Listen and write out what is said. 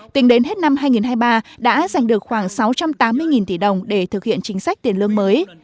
tính đến hết năm hai nghìn hai mươi ba đã giành được khoảng sáu trăm tám mươi tỷ đồng để thực hiện chính sách tiền lương mới